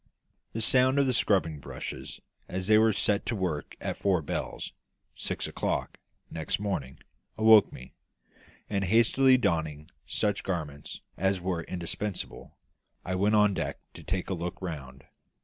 The sound of the scrubbing brushes, as they were set to work at four bells (six o'clock) next morning, awoke me; and, hastily donning such garments as were indispensable, I went on deck to take a look round.